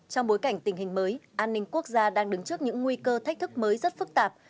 trong bối cảnh tình hình mới an ninh quốc gia đang đứng trước những nguy cơ thách thức mới rất phức tạp